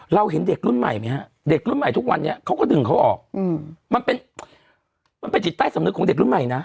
เราเห็นเด็กรุ่นใหม่ไหมฮะเด็กรุ่นใหม่ทุกวันนี้เขาก็ดึงเขาออกมันเป็นมันเป็นจิตใต้สำนึกของเด็กรุ่นใหม่นะ